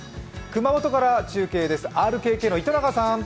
熊本から中継です、ＲＫＫの糸永さん。